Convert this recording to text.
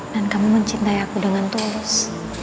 dan kamu mencintai aku dengan tulus